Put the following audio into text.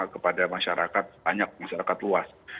kepada masyarakat banyak masyarakat luas